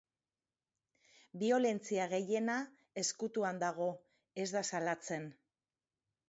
Biolentzia gehiena ezkutuan dago, ez da salatzen.